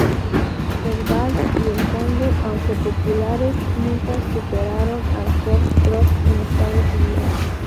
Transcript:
El vals y el tango, aunque populares, nunca superaron al foxtrot en Estados Unidos.